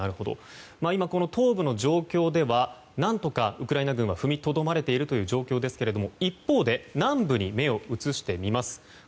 今、東部の状況では何とかウクライナ軍は踏みとどまれている状況ですが一方で南部に目を移してみます。